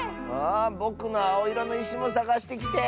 あぼくのあおいろのいしもさがしてきて。